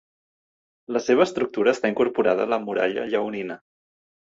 La seva estructura està incorporada a la muralla lleonina.